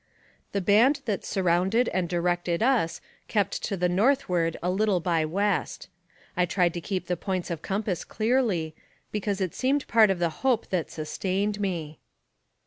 The band that surrounded and directed us kept to the northward a little by west. I tried to keep the points of compass clearly, because it seemed part of the hope that sustained me.